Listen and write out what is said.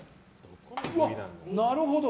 うわ、なるほど。